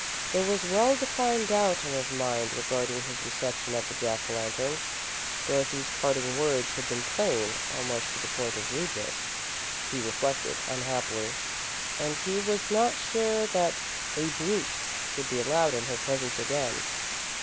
There was well defined doubt in his mind regarding his reception at the Jack o' Lantern. Dorothy's parting words had been plain almost to the point of rudeness, he reflected, unhappily, and he was not sure that "a brute" would be allowed in her presence again.